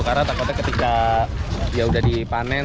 karena takutnya ketika ya sudah dipanen